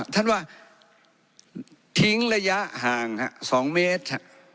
ท่านว่าทิ้งระยะห่าง๒เมตร